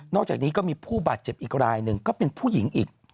อกจากนี้ก็มีผู้บาดเจ็บอีกรายหนึ่งก็เป็นผู้หญิงอีก